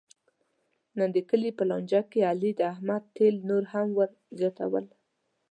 نن د کلي په لانجه کې علي د احمد تېل نور هم ور زیاتول.